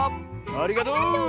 ありがとう！